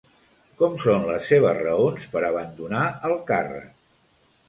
Com són les seves raons per abandonar el càrrec?